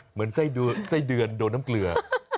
เหมือนไส้เดือนโดนน้ำเกลือ